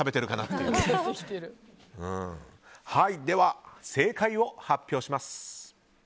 では、正解を発表します。